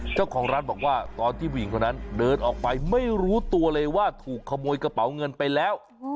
เจ้าของร้านบอกว่าตอนที่ผู้หญิงคนนั้นเดินออกไปไม่รู้ตัวเลยว่าถูกขโมยกระเป๋าเงินไปแล้ว